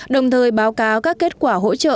đồng thời báo cáo các kết quả hỗ trợ